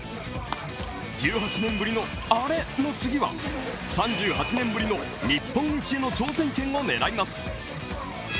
１８年ぶりのアレの次は３８年ぶりの日本一への挑戦権を狙います。